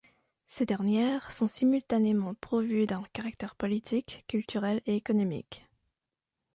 Ces dernières sont simultanément pourvues d'un caractère politique, culturel et économique.